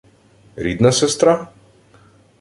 — Рідна сестра?